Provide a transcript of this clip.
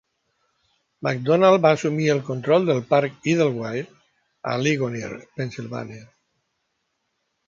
Macdonald va assumir el control del parc Idlewild a Ligonier, Pennsilvània.